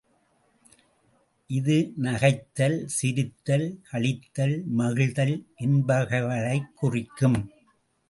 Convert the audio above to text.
இது நகைத்தல், சிரித்தல், களித்தல், மகிழ்தல் என்பவைகளைக் குறிக்கும்.